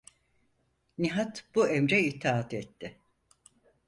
Nihat bu emre itaat etti.